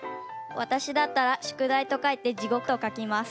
わたしだったら「宿題」と書いて「じごく」と書きます。